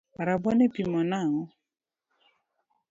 Rabuon ipimo nang’o?